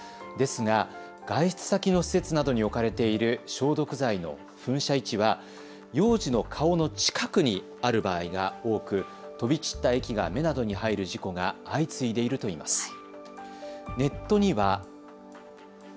ですが外出先の施設などに置かれている消毒剤の噴射位置は幼児の顔の近くにある場合が多く飛び散った液が目などに入る事故が相次いでいるといいます。